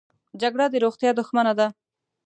جګړه د روغتیا دښمنه ده